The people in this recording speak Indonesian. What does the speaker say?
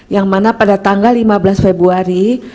yang mana pada tanggal lima belas februari